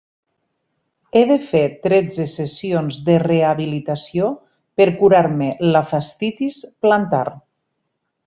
He de fer tretze sessions de rehabilitació per curar-me la fascitis plantar.